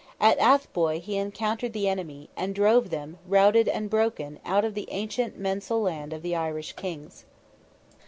At Athboy he encountered the enemy, and drove them, routed and broken, out of the ancient mensal land of the Irish kings.